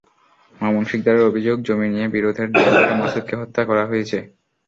মামুন সিকদারের অভিযোগ, জমি নিয়ে বিরোধের জের ধরে মাসুদকে হত্যা করা হয়েছে।